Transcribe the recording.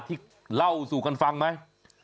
ที่เล่าสู่กันฟังไหม